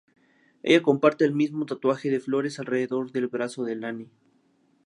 Ella comparte el mismo tatuaje de flores alrededor del brazo que Lanny.